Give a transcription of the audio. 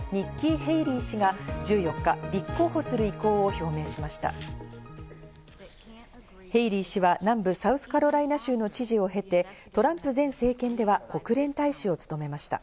ヘイリー氏は南部サウスカロライナ州の知事を経て、トランプ前政権では国連大使を務めました。